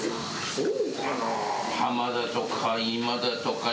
そうかな？